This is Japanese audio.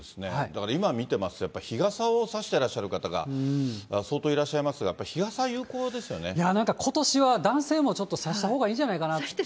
だから今見てますと、日傘を差してらっしゃる方が相当いらっしゃいますが、なんかことしは、男性もちょっと差したほうがいいんじゃないかなという。